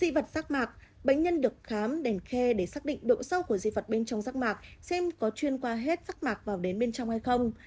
dị vật rắc mạc bánh nhân được khám đèn khe để xác định độ sâu của dị vật bên trong rắc mạc xem có chuyên qua hết rắc mạc vào đến bên trong hay không